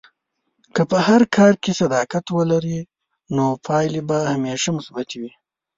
که په هر کار کې صداقت ولرې، نو پایلې به همیشه مثبتې وي.